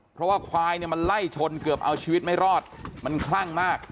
เพราะว่าควายเนี่ยมันไล่ชนเกือบเอาชีวิตไม่รอดมันคลั่งมาก